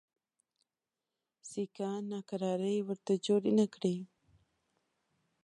سیکهان ناکراري ورته جوړي نه کړي.